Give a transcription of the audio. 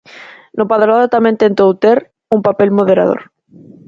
No Padroado tamén tentou ter un papel moderador.